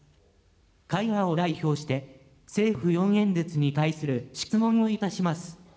会派を代表して、政府４演説に対する質問をいたします。